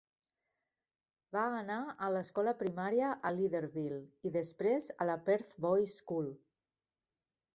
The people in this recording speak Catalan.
Va anar a l'escola primària a Leederville i, després, a la Perth Boys School.